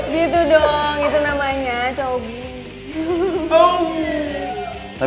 gitu dong itu namanya cogi